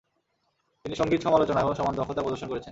তিনি সঙ্গীত সমালোচনায়ও সমান দক্ষতা প্রদর্শন করেছেন।